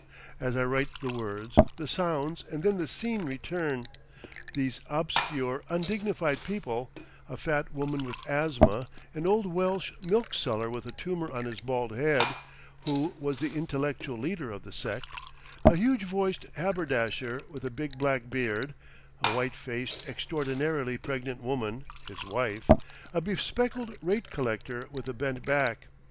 As I write the words, the sounds and then the scene return, these obscure, undignified people, a fat woman with asthma, an old Welsh milk seller with a tumour on his bald head, who was the intellectual leader of the sect, a huge voiced haberdasher with a big black beard, a white faced, extraordinarily pregnant woman, his wife, a spectacled rate collector with a bent back....